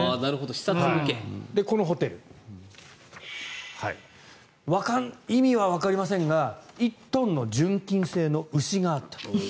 このホテル意味はわかりませんが１トンの純金製の牛があった。